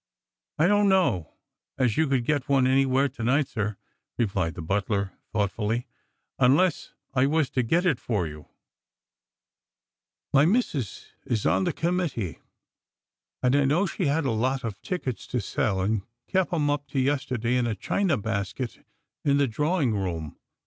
" I d'.ni't know as you could get one anywhere's to night, sir," replied the butLir thc ughtfully, " unless I was to get it fc yoiu 204 Strangerg and Pilgrim*. My missus is on the committee, and I know she had a lot (h tickets to sell, and kep 'era up to yesterday in a china basket in the drawring room.